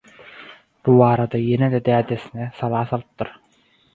Bu barada ýene-de dädesine sala salypdyr.